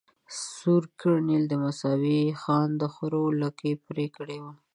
سور کرنېل د مساو د خان د خرو لکې ېې پرې کړي وه.